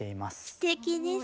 すてきですね。